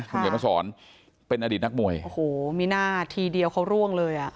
คุณเขียนมาสอนเป็นอดีตนักมวยโอ้โหมีหน้าทีเดียวเขาร่วงเลยอ่ะ